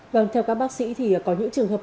vâng theo các bác sĩ thì có những trường hợp